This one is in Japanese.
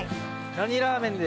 何ラーメンで？